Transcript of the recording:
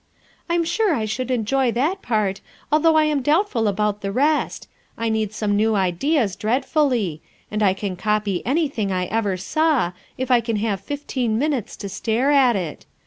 "I'm sure I should enjoy that part, although I am doubtful about the rest. I need some new ideas, dreadfully; and I can copy anything I ever saw, if I can have fifteen minutes to stare at it.